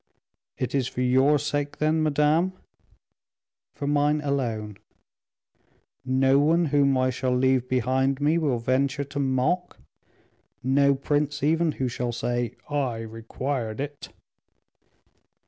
"It is for your sake, then, madame?" "For mine alone." "No one whom I shall leave behind me will venture to mock, no prince even who shall say, 'I required it.